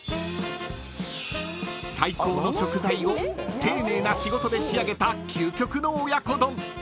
［最高の食材を丁寧な仕事で仕上げた究極の親子丼］